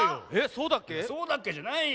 そうだっけじゃないよ。